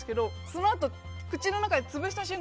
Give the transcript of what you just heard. そのあと口の中で潰した瞬間